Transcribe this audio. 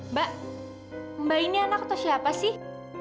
mbak mbak ini anak atau siapa sih